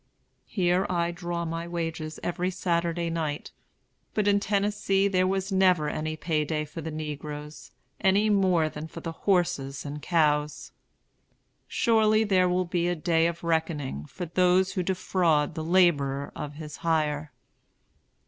Here I draw my wages every Saturday night; but in Tennessee there was never any pay day for the negroes any more than for the horses and cows. Surely there will be a day of reckoning for those who defraud the laborer of his hire.